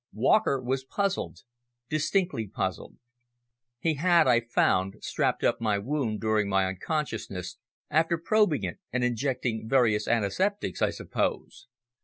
Walker was puzzled, distinctly puzzled. He had, I found, strapped up my wound during my unconsciousness after probing it and injecting various antiseptics, I suppose.